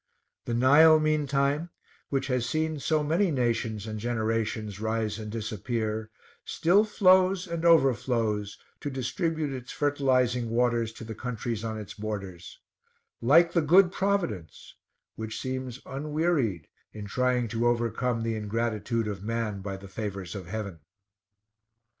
The Nile meantime, which has seen so many nations and generations rise and disappear, still flows and overflows, to distribute its fertilizing waters to the countries on its borders: like the Good Providence, which seems unwearied in trying to overcome the ingratitude of Man by the favors of Heaven.